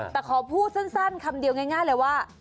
แต่ขอพูดสั้นคำเดียวง่ายเลยว่า